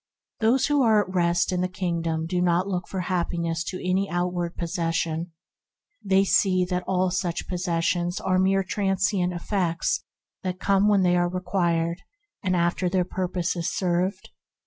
Those who are at rest in the Kingdom do not look for happiness to any outward possessions. They see that all such posses sions are mere transient effects that come when they are required and pass away after their purpose is served.